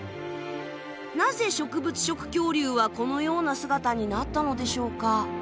なぜ植物食恐竜はこのような姿になったのでしょうか。